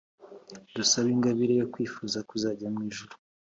dusabe ingabire yo kwifuza kuzajya mw’ijuru.